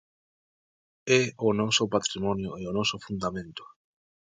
É o noso patrimonio e o noso fundamento.